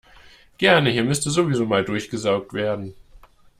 Gerne, hier müsste sowieso mal durchgesaugt werden.